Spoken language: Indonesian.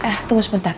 eh eh tunggu sebentar